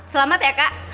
selamat ya kak